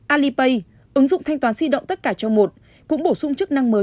alipay ứng dụng thanh toán di động tất cả cho một cũng bổ sung chức năng mới